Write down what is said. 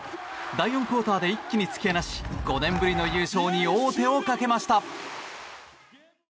第４クオーターで一気に突き放し５年ぶりの優勝に王手をかけました。